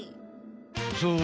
そう。